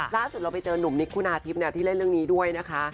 ล่าสุดเราไปเจอนุ่มนิกคุณาทิพย์ที่เล่นเรื่องนี้ด้วยนะคะ